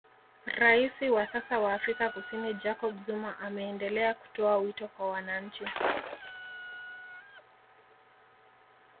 Raisi wa sasa wa Afrika Kusini Jacob Zuma ameendelea kutoa wito kwa wananchi